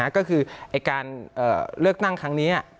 ก็คือการเลือกตั้งครั้งนี้